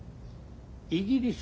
イギリス。